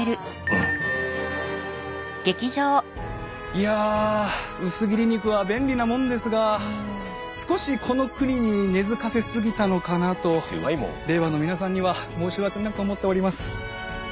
いや薄切り肉は便利なもんですが少しこの国に根づかせ過ぎたのかなと令和の皆さんには申し訳なく思っております。